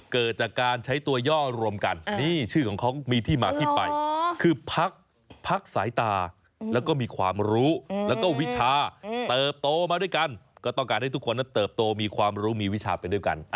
เกิดจากการใช้ตัวย่อรมกันมีที่มาที่ไปคือพักสายตาและมีความรู้และวิชาเติบโตมาด้วยกัน